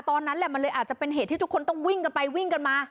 ตอนนั้นแหละมันเลยอาจจะเป็นเหตุที่ทุกคนต้องวิ่งกันไปวิ่งกันมา